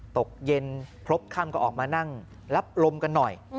ตกเย็นพบค่ำก็ออกมานั่งรับลมกันหน่อย